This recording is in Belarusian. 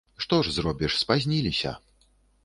Што ж зробіш, спазніліся.